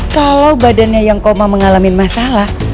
kalau badannya yang koma mengalami masalah